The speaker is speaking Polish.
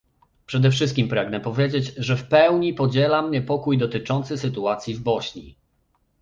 Przede wszystkim pragnę powiedzieć, że w pełni podzielam niepokój dotyczący sytuacji w Bośni